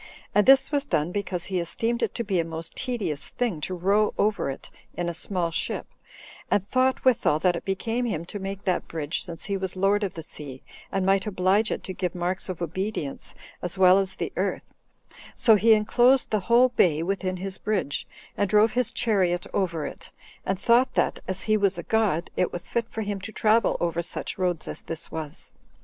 And this was done because he esteemed it to be a most tedious thing to row over it in a small ship, and thought withal that it became him to make that bridge, since he was lord of the sea, and might oblige it to give marks of obedience as well as the earth; so he enclosed the whole bay within his bridge, and drove his chariot over it; and thought that, as he was a god, it was fit for him to travel over such roads as this was.